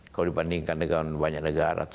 kalau dibandingkan dengan banyak negara